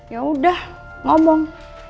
ya udah ngomong